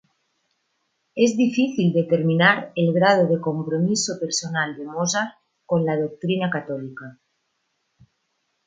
Es difícil determinar el grado de compromiso personal de Mozart con la doctrina católica.